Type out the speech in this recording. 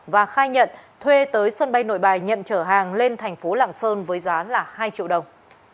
và khai nhận thuê tới sân bay nội bài nhận chở hàng lên thành phố lạng sơn với giá là hai triệu đồng